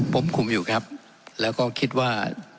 ผมคุมอยู่ครับแล้วก็คิดว่า